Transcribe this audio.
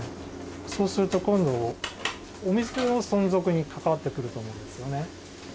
そうすると今度は、お店の存続に関わってくると思うんですよね。